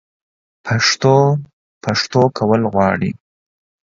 پښتو؛ پښتو کول غواړي